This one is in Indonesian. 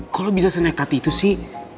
kalau bisa senekat itu sih